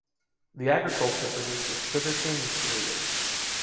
The agriculture produces sugar cane and cereals.